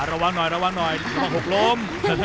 อ่าระวังหน่อยระวังหน่อยหกลม